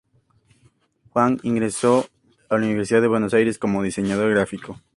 Huang ingresó en la Universidad de Buenos Aires como diseñador gráfico.